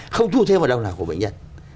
không thu thêm vào đâu nào của bệnh nhân